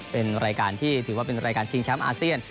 เป็นรายการที่ถือว่าเป็นรายการชิงแชมป์อาเซียน